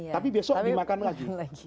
tapi besok dimakan lagi